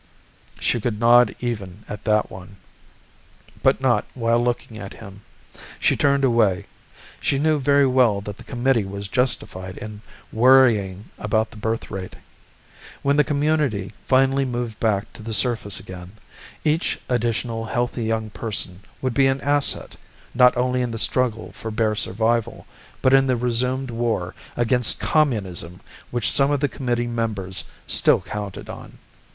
She could nod even at that one, but not while looking at him. She turned away. She knew very well that the Committee was justified in worrying about the birth rate. When the community finally moved back to the surface again, each additional healthy young person would be an asset, not only in the struggle for bare survival, but in the resumed war against Communism which some of the Committee members still counted on.